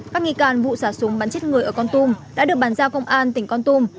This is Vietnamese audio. các nghi can vụ xả súng bắn chết người ở con tum đã được bàn giao công an tỉnh con tum